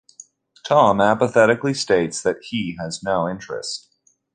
Tom apathetically states that he has no interest.